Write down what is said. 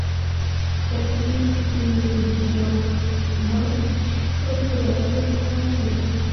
تاریخي جریانات تل د بدلون په حال کي دي.